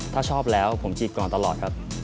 ถ้าชอบแล้วก็ผมจีบก่อนตลอด